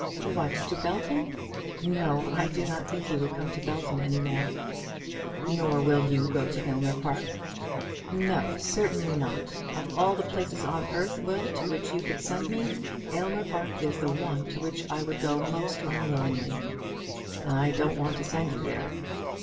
"What; to Belton? No, I do not think he will come to Belton any more." "Nor will you go to Aylmer Park?" "No; certainly not. Of all the places on earth, Will, to which you could send me, Aylmer Park is the one to which I should go most unwillingly." "I don't want to send you there."